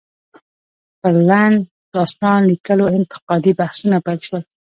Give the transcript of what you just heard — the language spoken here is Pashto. پر لنډ داستان ليکلو انتقادي بحثونه پيل شول.